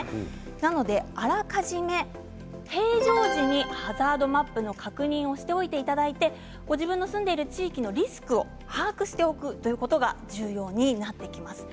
なので、あらかじめ平常時にハザードマップの確認をしておいていただいてご自分の住んでいる地域のリスクを把握しておくことが重要になってきます。